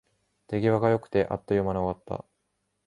手際が良くて、あっという間に終わった